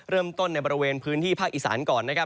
เริ่มต้นในบริเวณพื้นที่ภาคอีสานก่อนนะครับ